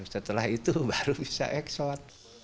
setelah itu baru bisa ekspor